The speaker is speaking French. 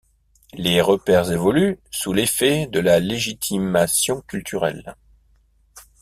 Les repères évoluent sous l’effet de la légitimation culturelle.